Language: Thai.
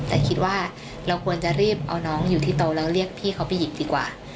แต่คิดว่าเราควรจะรีบเอาน้องอยู่ที่โต๊ะแล้วเรียกพี่เขาไปหยิบดีกว่า